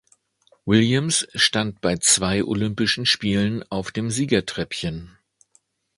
Williams stand bei zwei Olympischen Spielen auf dem Siegertreppchen.